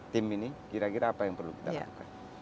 tim ini kira kira apa yang perlu kita lakukan